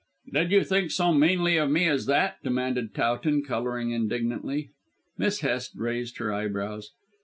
"Did you think so meanly of me as that?" demanded Towton, colouring indignantly. Miss Hest raised her eyebrows.